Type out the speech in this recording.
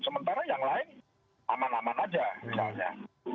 sementara yang lain aman aman aja misalnya